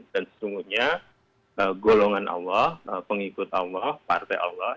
dan sesungguhnya golongan allah pengikut allah partai allah